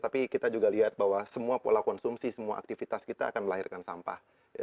tapi kita juga lihat bahwa semua pola konsumsi semua aktivitas kita akan melahirkan sampah